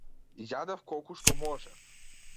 Јадев колку што можев.